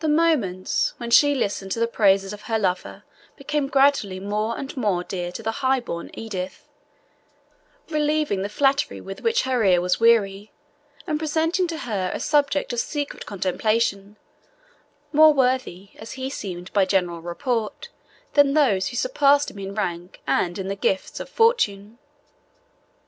The moments when she listened to the praises of her lover became gradually more and more dear to the high born Edith, relieving the flattery with which her ear was weary, and presenting to her a subject of secret contemplation, more worthy, as he seemed by general report, than those who surpassed him in rank and in the gifts of fortune.